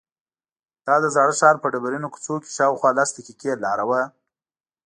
دا د زاړه ښار په ډبرینو کوڅو کې شاوخوا لس دقیقې لاره وه.